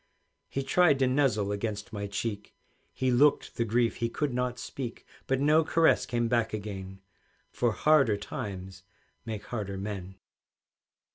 He tried to nuzzle against my cheek, He looked the grief he could not speak; But no caress came back again, For harder times make harder men.